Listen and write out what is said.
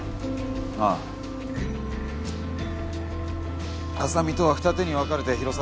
ああ浅見とは二手に分かれて広沢